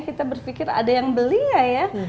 kita berpikir ada yang belia ya